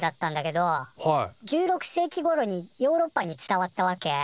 １６世紀ごろにヨーロッパに伝わったわけ。